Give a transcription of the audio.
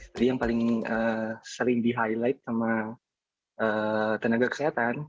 jadi yang paling sering di highlight sama tenaga kesehatan